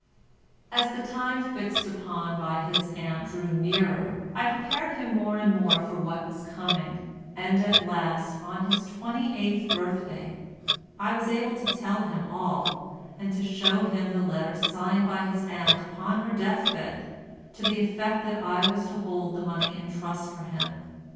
As the time fixed upon by his aunt drew nearer I prepared him more and more for what was coming, and at last, on his twenty eighth birthday, I was able to tell him all and to show him the letter signed by his aunt upon her death bed to the effect that I was to hold the money in trust for him.